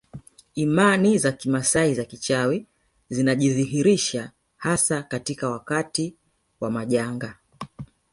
Imani za kimaasai za kichawi zinajidhihirisha hasa katika wakati wa majanga